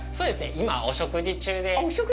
今お食事中で。